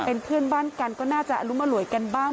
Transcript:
เป็นเพื่อนบ้านกันก็น่าจะอรุมอร่วยกันบ้าง